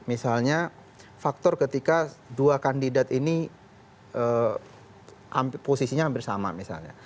misalnya faktor ketika dua kandidat ini posisinya hampir sama misalnya